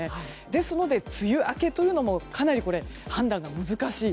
ですので、梅雨明けというのもかなり判断が難しい。